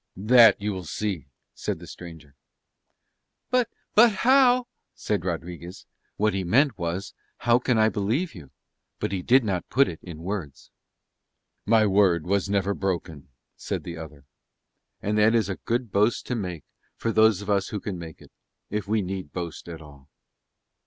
"That you will see," said the stranger. "But, but how ..." said Rodriguez. What he meant was, "How can I believe you?" but he did not put it in words. "My word was never broken," said the other. And that is a good boast to make, for those of us who can make it; if we need boast at all.